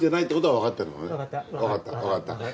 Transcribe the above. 分かった。